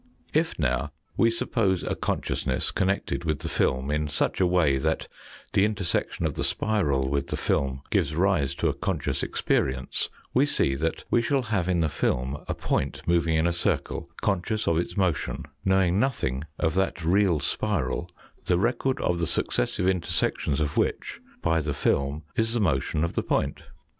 If now we suppose a consciousness con nected with the film in such a way that the intersection of the spiral with the film gives rise to a conscious experience, we see that we shall have in the film a point moving in a circle, conscious of its motion, knowing nothing of that real spiral the record of the successive intersections of which by the film is the motion of the point.